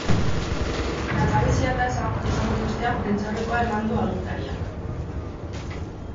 Langabezia-tasa ezagutu ostean prentsaurrekoa eman du agintariak.